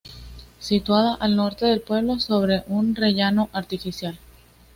Situada al norte del pueblo, sobre un rellano artificial.